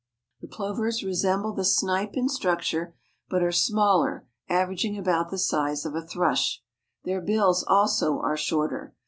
The plovers resemble the snipe in structure, but are smaller, averaging about the size of a thrush. Their bills also are shorter.